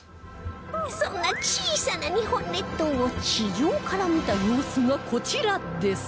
そんな小さな日本列島を地上から見た様子がこちらです